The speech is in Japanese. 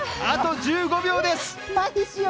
あと１５秒です。